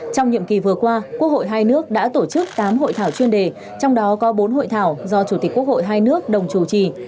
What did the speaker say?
trong nhiệm kỳ vừa qua quốc hội hai nước đã tổ chức tám hội thảo chuyên đề trong đó có bốn hội thảo do chủ tịch quốc hội hai nước đồng chủ trì